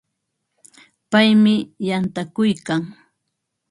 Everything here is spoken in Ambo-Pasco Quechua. Paymi yantakuykan.